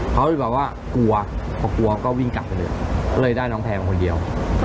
เขาเลยบอกว่ากลัวพอกลัวก็วิ่งกลับไปเลยก็เลยได้น้องแพงคนเดียว